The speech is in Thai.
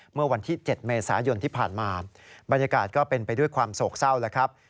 เมื่อวันที่๗เมษายนที่ผ่านมาบรรยากาศก็เป็นไปด้วยความโศกเศร้าแล้วครับ